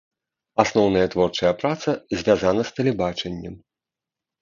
Асноўная творчая праца звязана з тэлебачаннем.